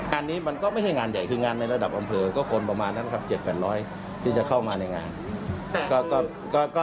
งานนี้มันก็ไม่ใช่งานใหญ่คืองานในระดับอำเภอก็คนประมาณนั้นครับ๗๘๐๐ที่จะเข้ามาในงาน